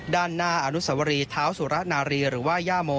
ด้านหน้าอนุสวรีเท้าสุระนารีหรือว่าย่าโม